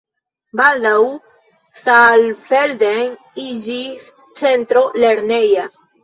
Baldaŭ Saalfelden iĝis centro lerneja.